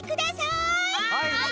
はい。